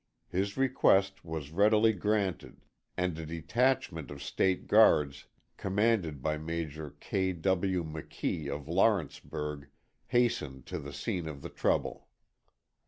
His request was readily granted and a detachment of State Guards, commanded by Major K. W. McKee of Lawrenceburg, hastened to the scene of the trouble.